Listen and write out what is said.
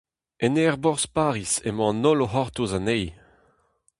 En aerborzh Pariz emañ an holl o c'hortoz anezhi.